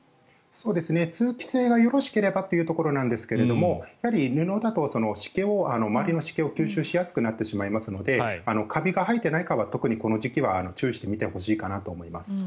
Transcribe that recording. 通気性がよろしければというところですが布だと周りの湿気を吸収しやすくなるのでカビが生えていないかは特にこの時期は注意して見てほしいと思います。